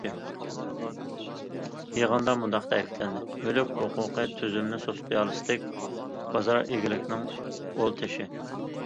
يىغىندا مۇنداق تەكىتلەندى: مۈلۈك ھوقۇقى تۈزۈمى سوتسىيالىستىك بازار ئىگىلىكىنىڭ ئۇل تېشى.